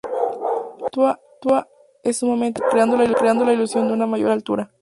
La estatua es sumamente delgada, creando la ilusión de una mayor altura.